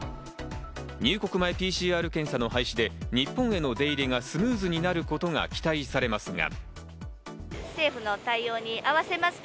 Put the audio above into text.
入国前ＰＣＲ検査の廃止で日本への出入りがスムーズになることが期待されますが。